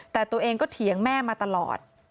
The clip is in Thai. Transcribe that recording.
แต่ตัวเองก็เถียงแม่มาตลอด